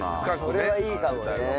それはいいかもね